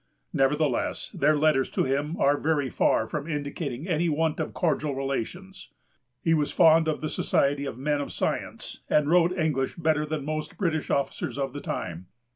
Nevertheless, their letters to him are very far from indicating any want of cordial relations. He was fond of the society of men of science, and wrote English better than most British officers of the time.